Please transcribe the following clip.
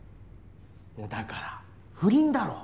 いやだから不倫だろ？